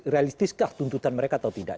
realistiskah tuntutan mereka atau tidak